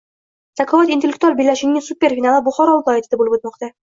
Zakovat intellektual bellashuvining super-finali Buxoro viloyatida bo‘lib o‘tmoqda.